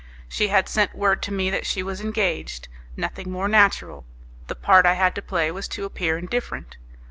She had sent word to me that she was engaged; nothing more natural; the part I had to play was to appear indifferent.